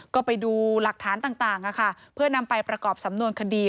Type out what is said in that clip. ก็ไปดูหลักฐานต่างเพื่อนำไปประกอบสำนวนคดี